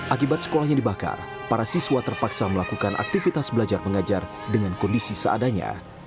akibat sekolahnya dibakar para siswa terpaksa melakukan aktivitas belajar mengajar dengan kondisi seadanya